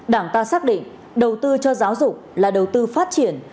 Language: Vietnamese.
đảng ta xác định đầu tư cho giáo dục là đầu tư phát triển